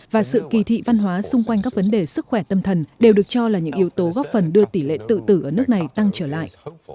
và sự kỳ thị văn hóa xung quanh các vấn đề sức khỏe tâm thần đều được cho là những yếu tố góp phần đưa tỷ lệ tự tử ở nước này tăng trở lại